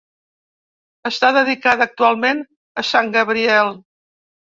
Està dedicada actualment a Sant Gabriel.